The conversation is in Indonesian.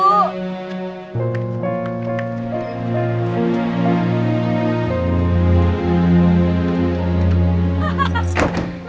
krupuk ya bu